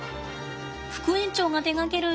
副園長が手がける擬